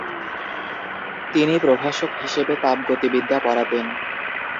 তিনি প্রভাষক হিসেবে তাপ গতিবিদ্যা পড়াতেন।